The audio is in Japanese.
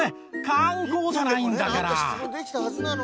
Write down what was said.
観光じゃないんだから。